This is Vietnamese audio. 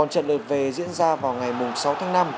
trận lượt về diễn ra vào ngày sáu tháng năm